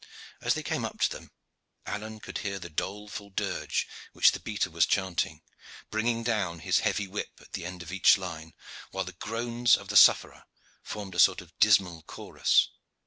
As they came up to them, Alleyne could hear the doleful dirge which the beater was chanting, bringing down his heavy whip at the end of each line, while the groans of the sufferer formed a sort of dismal chorus.